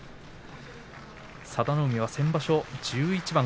佐田の海は先場所１１番。